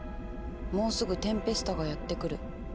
もうすぐテンペスタがやって来る。